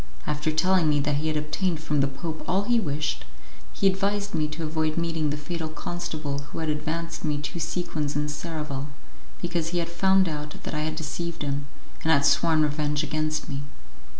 After telling me that he had obtained from the Pope all he wished, he advised me to avoid meeting the fatal constable who had advanced me two sequins in Seraval, because he had found out that I had deceived him, and had sworn revenge against me.